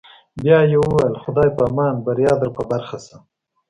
بیا یې وویل: خدای په امان، بریا در په برخه شه.